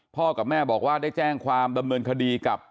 กับแม่บอกว่าได้แจ้งความดำเนินคดีกับ